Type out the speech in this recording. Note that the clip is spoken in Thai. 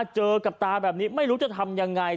เจอกับตาแบบนี้ไม่รู้จะทำยังไง